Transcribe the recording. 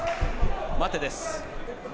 待てです。